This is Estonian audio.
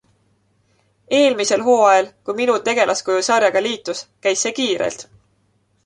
Eelmisel hooajal, kui minu tegelaskuju sarjaga liitus, käis see kiirelt.